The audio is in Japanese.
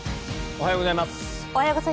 おはようございます。